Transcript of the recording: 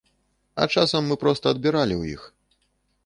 А часам мы проста адбіралі ў іх.